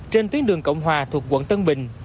trên tuyến đường cộng hòa thuộc quận tân bình